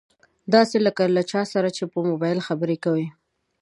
داسې لکه له چا سره چې په مبايل خبرې کوي.